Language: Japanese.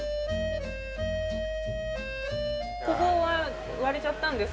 ここは割れちゃったんですか？